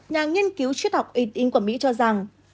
nhà nghiên cứu truyết học y tín của mỹ cho rằng